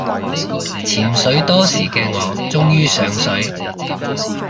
潛水多時嘅我終於上水